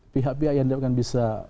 pihak pihak yang tidak akan bisa